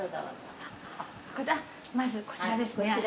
まずこちらですね